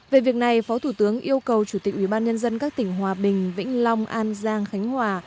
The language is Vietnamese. về việc này phó thủ tướng yêu cầu chủ tịch ubnd các tỉnh hòa bình vĩnh long an giang khánh hòa